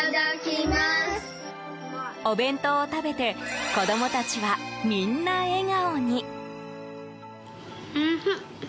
お弁当を食べて、子供たちはみんな笑顔に。